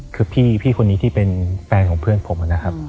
คือพี่คนนี้ที่เป็นแฟนของเพื่อนผมนะครับ